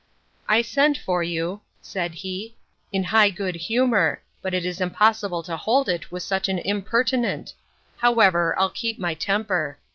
I sent for you, said he, in high good humour; but it is impossible to hold it with such an impertinent: however, I'll keep my temper.